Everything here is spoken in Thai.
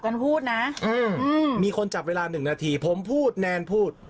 พูดนะอืมมีคนจับเวลาหนึ่งนาทีผมพูดแนนพูด